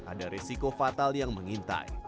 ada resiko fatal yang mengintai